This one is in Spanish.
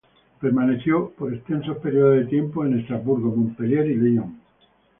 Permaneció por extensos periodos de tiempo en Estrasburgo, Montpellier y Lyon.